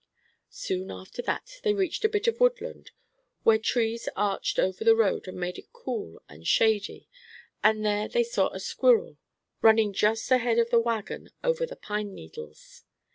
Soon after that they reached a bit of woodland, where trees arched over the road and made it cool and shady, and there they saw a squirrel, running just ahead of the wagon over the pine needles.